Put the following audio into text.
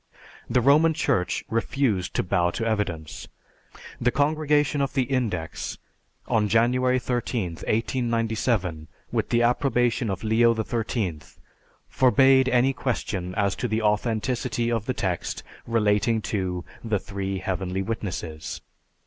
The Roman Church refused to bow to evidence. The Congregation of the Index, on January 13, 1897, with the approbation of Leo XIII, forbade any question as to the authenticity of the text relating to the "three heavenly witnesses."